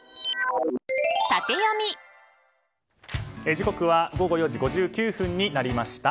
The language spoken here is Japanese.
時刻は午後４時５９分になりました。